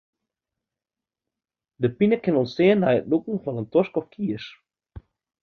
Dy pine kin ûntstean nei it lûken fan in tosk of kies.